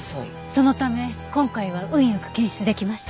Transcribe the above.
そのため今回は運良く検出出来ました。